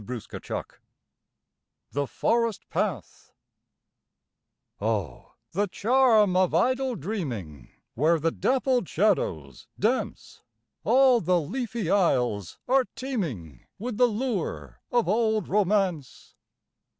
85 THE FOREST PATH Oh, the charm of idle dreaming Where the dappled shadows dance, All the leafy aisles are teeming With the lure of old romance!